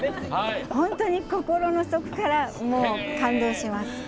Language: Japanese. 本当に心のそこから感動します。